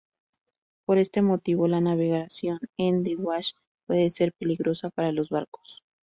Por este motivo, la navegación en The Wash puede ser peligrosa para los barcos.